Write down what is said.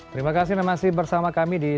terimakasih yang masih bersama kami di